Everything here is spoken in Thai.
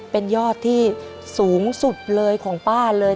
เป็นยอดที่สูงสุดเลยของป้าเลย